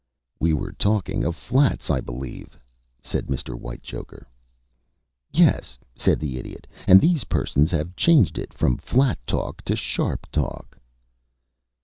"We were talking of flats, I believe," said Mr. Whitechoker. "Yes," said the Idiot, "and these persons have changed it from flat talk to sharp talk."